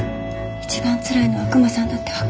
一番つらいのはクマさんだって分かってる。